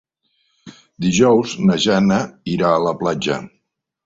Dijous na Jana irà a la platja.